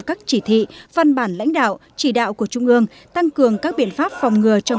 các chỉ thị văn bản lãnh đạo chỉ đạo của trung ương tăng cường các biện pháp phòng ngừa trong